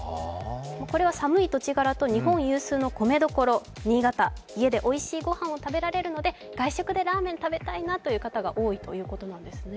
これは寒い土地柄と日本有数の米どころ新潟、家でおいしい御飯が食べられるので外食でラーメン食べたいなっていう方が多いということですね。